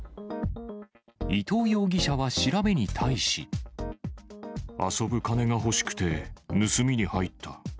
伊藤容疑者は調べに対し。遊ぶ金が欲しくて、盗みに入った。